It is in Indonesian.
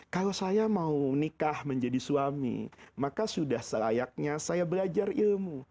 kalau saya mau nikah menjadi suami maka sudah selayaknya saya belajar ilmu